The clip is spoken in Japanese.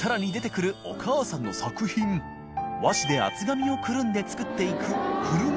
穗損罎厚紙をくるんで作っていく襪潦